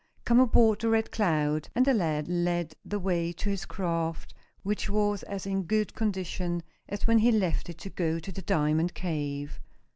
Come aboard the Red Cloud," and the lad led the way to his craft which was in as good condition as when he left it to go to the diamond cave.